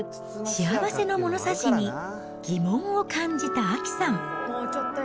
幸せの物差しに、疑問を感じた亜紀さん。